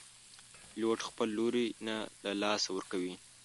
پیلوټ خپل لوری نه له لاسه ورکوي.